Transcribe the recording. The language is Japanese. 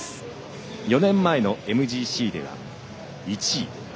４年前のＭＧＣでは１位。